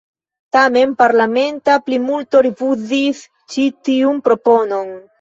Tamen, parlamenta plimulto rifuzis ĉi tiun proponon.